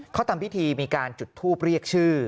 เขาทำพิธีมีการจุดทูปเรียกชื่อ